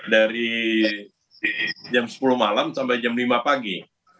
dari jam sepuluh malam sampai jam lima pagi